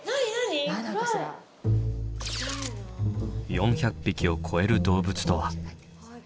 ４００匹を超える動物とは。